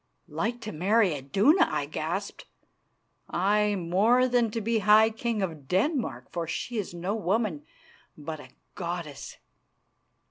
"Like to marry Iduna?" I gasped. "Aye, more than to be High King of Denmark, for she is no woman, but a goddess."